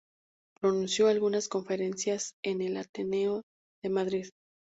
Pronunció algunas conferencias en el Ateneo de Madrid.